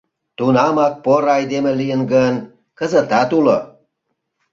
Тунамат поро айдеме лийын гын, кызытат уло...